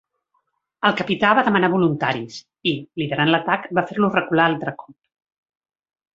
El capità va demanar voluntaris i, liderant l'atac, va fer-los recular altre cop.